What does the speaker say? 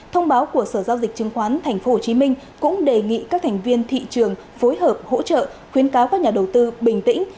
thông báo của sở giao dịch chứng khoán tp hcm cũng đề nghị các thành viên thị trường phối hợp hỗ trợ khuyến cáo các nhà đầu tư bình tĩnh